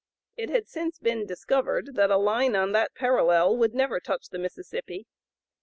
It had since been discovered that a line on that parallel would never touch the Mississippi.